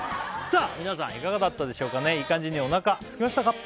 皆さんいかがだったでしょうかいい感じにお腹すきましたか？